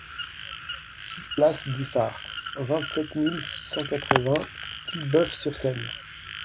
six place du Phare, vingt-sept mille six cent quatre-vingts Quillebeuf-sur-Seine